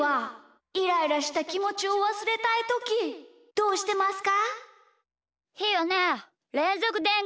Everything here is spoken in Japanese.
おじさんはイライラしたきもちをわすれたいときどうしてますか？